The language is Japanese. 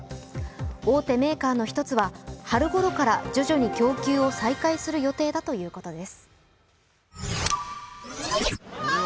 大手メーカーの１つは春ごろから徐々に供給を再開する予定だということです。